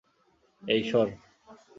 এই, সর।